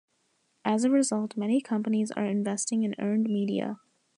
As a result, many companies are investing in earned media.